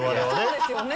そうですよね